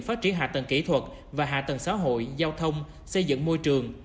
phát triển hạ tầng kỹ thuật và hạ tầng xã hội giao thông xây dựng môi trường